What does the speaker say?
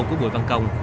của bùi văn công